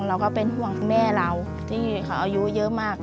เราก็เป็นห่วงแม่เราที่เขาอายุเยอะมาก